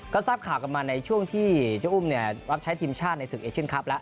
ก็ทราบข่าวกันมาในช่วงที่เจ้าอุ้มรับใช้ทีมชาติในศึกเอเชียนคลับแล้ว